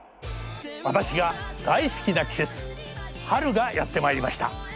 私が大好きな季節春がやってまいりました。